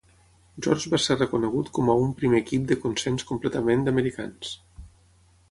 George va ser reconegut com a un primer equip de consens completament d'americans.